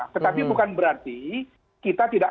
tetapi bukan berarti kita tidak